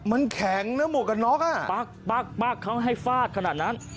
มันแข็งนะหมวกกันน็อกอ่ะปั๊กเขาให้ฟาดขนาดนั้น